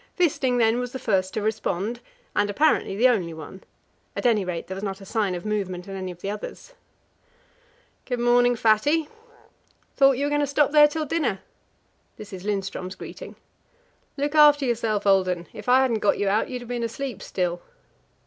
Wisting, then, was the first to respond, and apparently the only one; at any rate, there was not a sign of movement in any of the others. "Good morning, Fatty!" "Thought you were going to stop there till dinner." This is Lindström's greeting. "Look after yourself, old 'un. If I hadn't got you out, you'd have been asleep still."